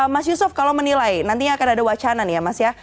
mas yusuf kalau menilai nantinya akan ada wacana nih ya mas ya